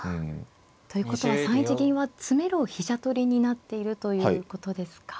ということは３一銀は詰めろ飛車取りになっているということですか。